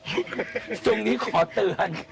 ตรงนี้ขอเตือน